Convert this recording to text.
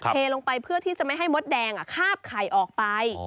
เทลงไปเพื่อที่จะไม่ให้มดแดงคาบไข่ออกไป